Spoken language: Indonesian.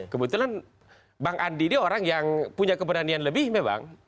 kebetulan bang andi ini orang yang punya keberanian lebih memang